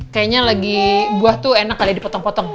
kayaknya lagi buah tuh enak kali dipotong potong